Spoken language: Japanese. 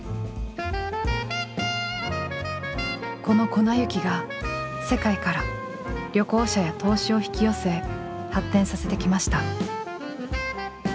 この粉雪が世界から旅行者や投資を引き寄せ発展させてきました。